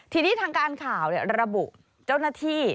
ทีนี้ทางการข่าวระบุเจ้าหน้าที่